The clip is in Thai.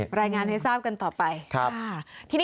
ถ้าคลิปหน้าก็รายงานให้ทราบกันต่อไป